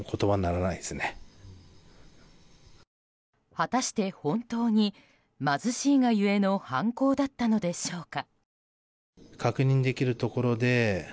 果たして本当に貧しいが故の犯行だったのでしょうか。